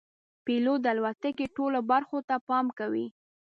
پیلوټ د الوتکې ټولو برخو ته پام کوي.